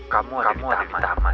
kamu ada di taman